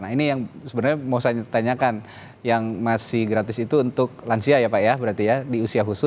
nah ini yang sebenarnya mau saya ditanyakan yang masih gratis itu untuk lansia ya pak ya berarti ya di usia khusus